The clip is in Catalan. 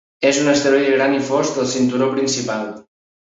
És un asteroide gran i fosc del cinturó principal.